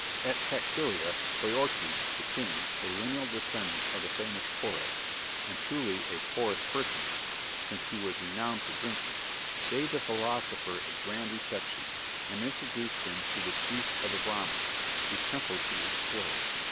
At Taxilia, Phraortes, the King, a lineal descendant of the famous Porus and truly a porous personage, since he was renowned for drinking gave the philosopher a grand reception, and introduced him to the chief of the Brahmins, whose temples he explored.